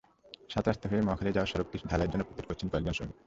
সাতরাস্তা হয়ে মহাখালী যাওয়ার সড়কটি ঢালাইয়ের জন্য প্রস্তুত করছেন কয়েকজন শ্রমিক।